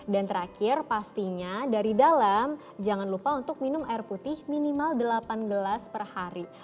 dan terakhir pastinya dari dalam jangan lupa untuk minum air putih minimal delapan gelas per hari